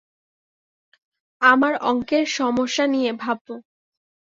আমার অঙ্কের সমস্যা নিয়ে ভািবব।